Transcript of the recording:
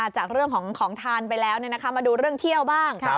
จากเรื่องของของทานไปแล้วมาดูเรื่องเที่ยวบ้าง